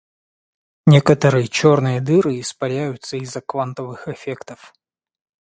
Некоторые черные дыры испаряются из-за квантовых эффектов.